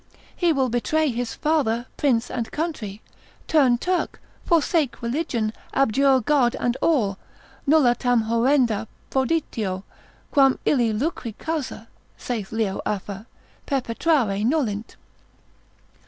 he will betray his father, prince, and country, turn Turk, forsake religion, abjure God and all, nulla tam horrenda proditio, quam illi lucri causa (saith Leo Afer) perpetrare nolint.